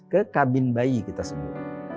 ke kabin bayi kita semua